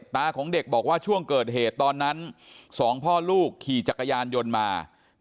ของเด็กบอกว่าช่วงเกิดเหตุตอนนั้น๒พ่อลูกขี่จักรยานยนต์มา